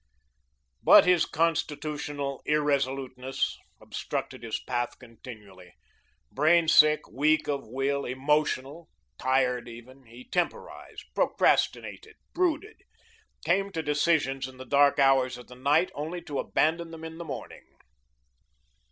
But his constitutional irresoluteness obstructed his path continually; brain sick, weak of will, emotional, timid even, he temporised, procrastinated, brooded; came to decisions in the dark hours of the night, only to abandon them in the morning.